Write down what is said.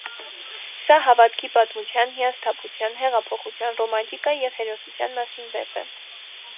Սա հավատքի պատմության, հիասթափության, հեղափոխության, ռոմանտիկայի և հերոսության մասին վեպ է։